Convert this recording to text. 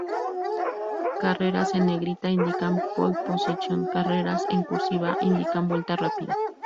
Carreras en negrita indican pole position, carreras en "cursiva" indican vuelta rápida.